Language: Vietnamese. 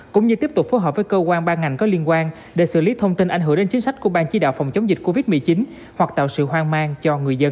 cũng như tiếp tục phối hợp với cơ quan ban ngành có liên quan để xử lý thông tin ảnh hưởng đến chính sách của bang chỉ đạo phòng chống dịch covid một mươi chín hoặc tạo sự hoang mang cho người dân